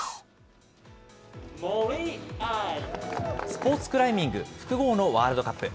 スポーツクライミング複合のワールドカップ。